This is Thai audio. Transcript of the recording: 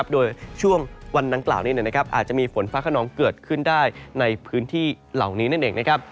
โดยช่วงวันดังกล่าวนี้อาจจะมีฝนฟ้าขนองเกิดขึ้นได้ในพื้นที่เหล่านี้นั่นเอง